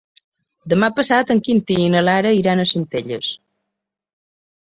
Demà passat en Quintí i na Lara iran a Centelles.